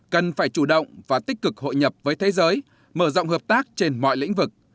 cần phải chủ động và tích cực hội nhập với thế giới mở rộng hợp tác trên mọi lĩnh vực